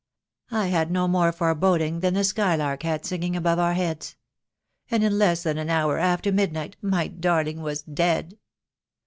I had no more foreboding than the skylark had singing above our heads. And in less than an hour after mid night my darling was dead.